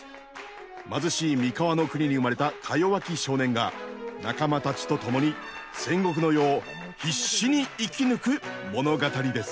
貧しい三河の国に生まれたかよわき少年が仲間たちと共に戦国の世を必死に生き抜く物語です。